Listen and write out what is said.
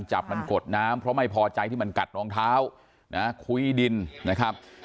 จับมันกดน้ำเพราะไม่พอใจที่มันกัดรองเท้านะคุยดินนะครับ